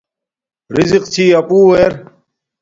رزِق چھی اپݸ ار